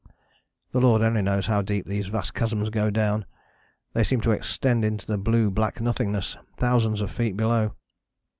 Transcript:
The Lord only knows how deep these vast chasms go down, they seem to extend into blue black nothingness thousands of feet below.